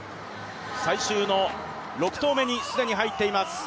最終の６投目に既に入っています。